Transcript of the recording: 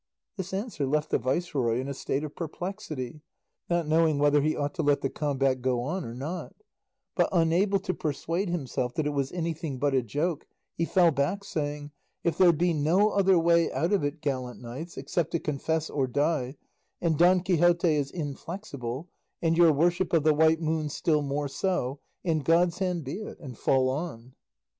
This answer left the viceroy in a state of perplexity, not knowing whether he ought to let the combat go on or not; but unable to persuade himself that it was anything but a joke he fell back, saying, "If there be no other way out of it, gallant knights, except to confess or die, and Don Quixote is inflexible, and your worship of the White Moon still more so, in God's hand be it, and fall on."